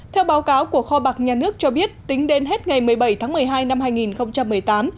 theo báo cáo của kho bạc nhà nước cho biết tính đến hết ngày một mươi bảy tháng một mươi hai năm hai nghìn một mươi tám